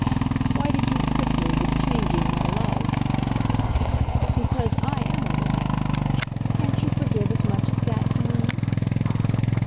"Why did you twit me with changing my love?" "Because I am a woman. Can't you forgive as much as that to me?"